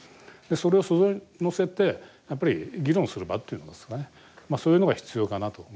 でそれを俎上に載せてやっぱり議論する場というのかそういうのが必要かなと思いますね。